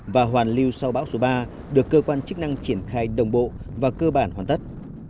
và hoàn lưu sau bão số ba được cơ quan chức năng triển khai đồng bộ và cơ bản hoàn tất